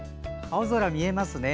青空見えますね。